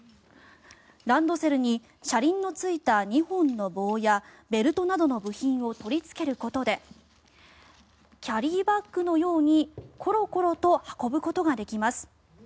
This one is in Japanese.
ランドセルに車輪のついた２本の棒やベルトなどの部品を取りつけることでキャリーバッグのようにコロコロと運ぶことができます。